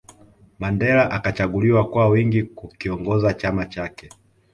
Mandela akachaguliwa kwa wingi kukiongoza chama chake